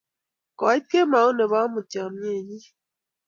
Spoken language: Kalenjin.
koit kemout nebo amut chamiyet nyin